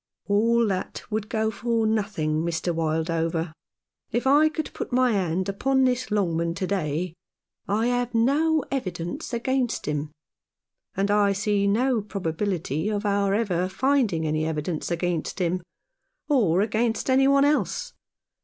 " All that would go for nothing, Mr. Wildover. If I could put my hand upon this Longman to day I have no evidence against him ; and I see no probability of our ever finding any evidence against him, or against any one else.